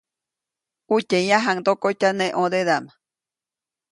ʼUtye yãjkyajaŋdokotya neʼ ʼõdedaʼm.